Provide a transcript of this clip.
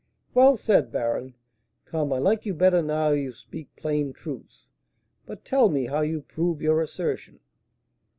"Well said, baron! Come, I like you better now you speak plain truths. But tell me how you prove your assertion?"